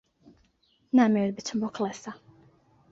نامەوێت بچم بۆ کڵێسا.